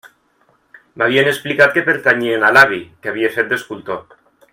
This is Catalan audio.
M'havien explicat que pertanyien a l'avi, que havia fet d'escultor.